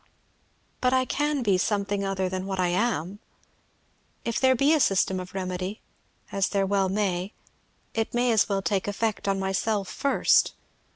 But I can be something other than I am! If there be a system of remedy, as there well may, it may as well take effect on myself first.